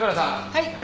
はい。